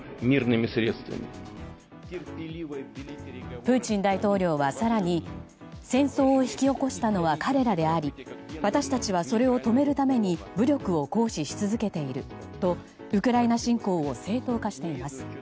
プーチン大統領は、更に戦争を引き起こしたのは彼らであり私たちはそれを止めるために武力を行使し続けているとウクライナ侵攻を正当化しています。